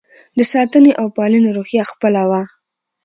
د ساتنې او پالنې روحیه خپله وه.